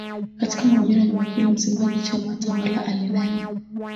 Katika mahojiano ya Jumapili, msemaji wa chama tawala alinena